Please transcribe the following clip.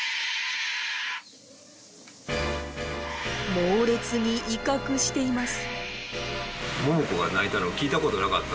猛烈に威嚇しています。